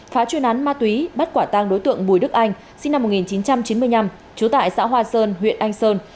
phá chuyên án ma túy bắt quả tang đối tượng bùi đức anh sinh năm một nghìn chín trăm chín mươi năm trú tại xã hoa sơn huyện anh sơn